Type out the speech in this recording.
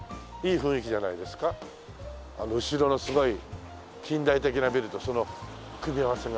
あの後ろのすごい近代的なビルとその組み合わせが。